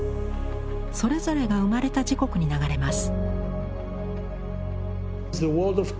それぞれが生まれた時刻に流れます。